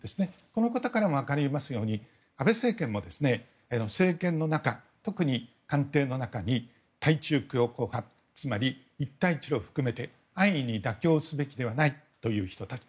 このことからも分かるように安倍政権も政権の中、特に官邸の中に対中強硬派つまり一帯一路を含めて安易に妥協すべきではないという人たち